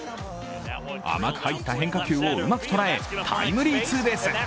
甘く入った変化球をうまく捉えタイムリーツーベース。